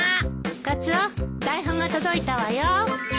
カツオ台本が届いたわよ。